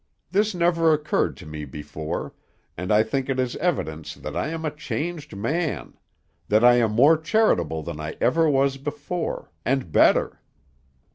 This never occurred to me before, and I think it is evidence that I am a changed man; that I am more charitable than I ever was before, and better."